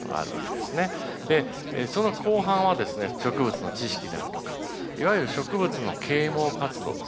その後半はですね植物の知識であるとかいわゆる植物の啓蒙活動ですよね。